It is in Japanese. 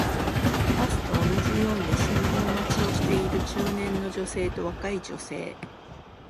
バスと同じように信号待ちをしている中年の女性と若い女性